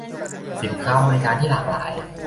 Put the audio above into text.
สินค้าบริการที่หลากหลาย